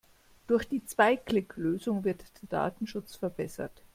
Durch die Zwei-Klick-Lösung wird der Datenschutz verbessert.